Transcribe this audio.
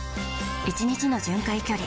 １日の巡回距離